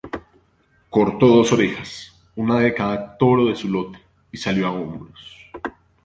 Cortó dos orejas, una de cada toro de su lote, y salió a hombros.